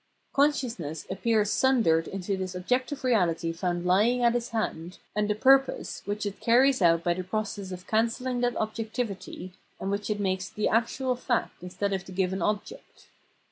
Consciousness appears sundered into this objective reality found lying at its hand, and the purpose, which it carries out by the process of cancelling that objectivity, and which it makes the actual fact instead of the given object.